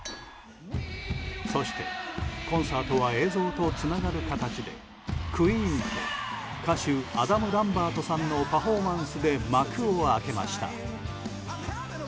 そして、コンサートは映像とつながる形でＱＵＥＥＮと歌手アダム・ランバートさんのパフォーマンスで幕を開けました。